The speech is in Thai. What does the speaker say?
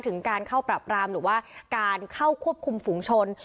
ถึงการเข้าปรับรามหรือว่าการเข้าควบคุมฝุงชน